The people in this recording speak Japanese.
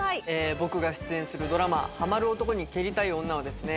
僕が出演するドラマ『ハマる男に蹴りたい女』はですね